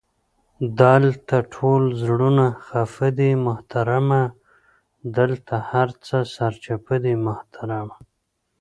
دالته ټول زړونه خفه دې محترمه، دالته هر څه سرچپه دي محترمه!